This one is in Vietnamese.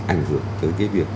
ảnh hưởng tới cái việc